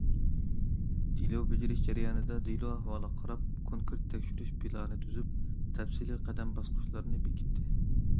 دېلو بېجىرىش جەريانىدا دېلو ئەھۋالىغا قاراپ، كونكرېت تەكشۈرۈش پىلانى تۈزۈپ، تەپسىلىي قەدەم باسقۇچلارنى بېكىتتى.